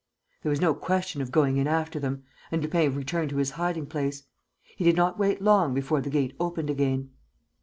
There was no question of going in after them; and Lupin returned to his hiding place. He did not wait long before the gate opened again.